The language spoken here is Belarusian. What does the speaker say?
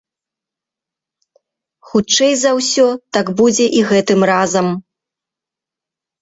Хутчэй за ўсё, так будзе і гэтым разам.